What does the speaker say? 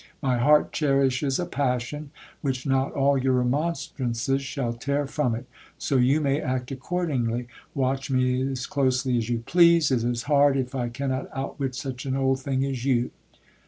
My heart cherishes a passion, which not all your remonstrances shall tear from it : so you may act accordingly. Watch me as closely as you please ; it is hard if I cannot outwit such an old thing as you.